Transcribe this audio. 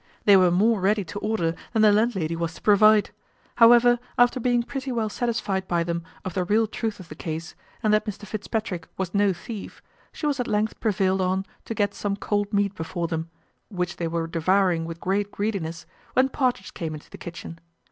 They were more ready to order than the landlady was to provide; however, after being pretty well satisfied by them of the real truth of the case, and that Mr Fitzpatrick was no thief, she was at length prevailed on to set some cold meat before them, which they were devouring with great greediness, when Partridge came into the kitchen.